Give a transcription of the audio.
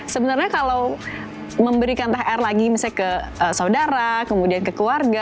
sebenarnya kalau memberikan thr lagi misalnya ke saudara kemudian ke keluarga